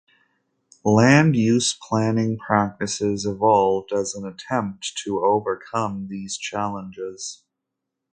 Land use planning practices evolved as an attempt to overcome these challenges.